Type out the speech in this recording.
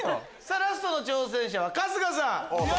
ラストの挑戦者は春日さん。